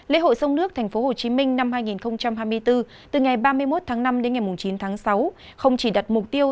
lễ hội sông nước tp hcm năm hai nghìn hai mươi bốn từ ngày ba mươi một tháng năm đến ngày chín tháng sáu không chỉ đặt mục tiêu